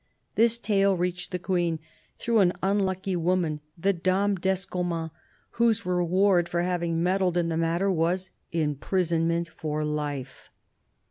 This tale reached the Queen, through an unlucky woman, the Dame d'Escoman, whose reward for having meddled in the matter was imprisonment for life.